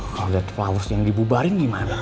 kalau dapet flaus yang dibubarin gimana